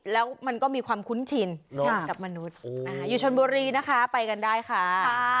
แล้วมันก็มีความคุ้นชินกับมนุษย์อยู่ชนบุรีนะคะไปกันได้ค่ะ